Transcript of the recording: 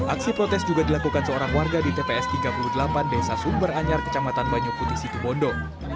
aksi protes juga dilakukan seorang warga di tps tiga puluh delapan desa sumberanyar kecamatan banyu putih situbondo